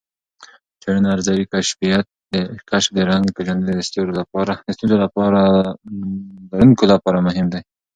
څېړنه ارزوي، کشف د رنګ پېژندنې ستونزه لرونکو لپاره مهم دی.